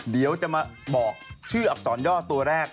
เดี๋ยวจะมาบอกชื่ออักษรย่อตัวแรก